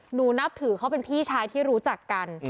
หนูนับถือเขาเป็นพี่ชายที่รู้จักกัน